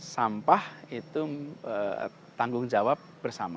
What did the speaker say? sampah itu tanggung jawab bersama